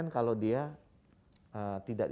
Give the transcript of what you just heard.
kalau dia tidak